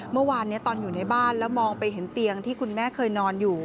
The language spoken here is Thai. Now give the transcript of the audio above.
เมื่อวานตอนอยู่ในบ้านแล้วมองไปเห็นเตียงที่คุณแม่เคยนอนอยู่